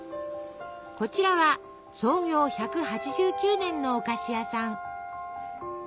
こちらは創業１８９年のお菓子屋さん。